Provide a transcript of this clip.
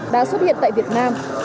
đã xuất hiện tại việt nam